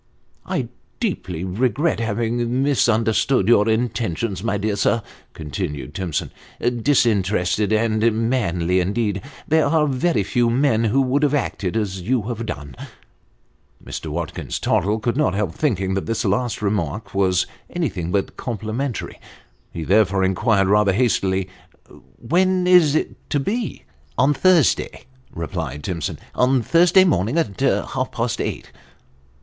" I deeply regret having misunderstood your intentions, my dear sir," continued Timson. " Disinterested and manly, indeed ! There are very few men who would have acted as you have done." Mr. Watkins Tottle could not help thinking that this last remark was anything but complimentary. He therefore inquired, rather hastily, " When is it to be ?"" On Thursday," replied Timson, " on Thursday morning at half past eight."